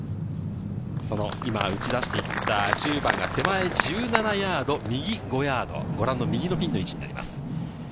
今、打ちだしていった１０番が手前１７ヤード、右５ヤード、ご覧の右のピンの位置になります。